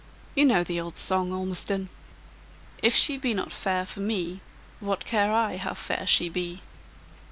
You know the old song, Ormiston: 'If she be not fair for me What care I how fair she be!'"